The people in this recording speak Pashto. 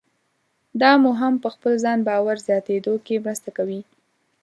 دا مو هم په خپل ځان باور زیاتېدو کې مرسته کوي.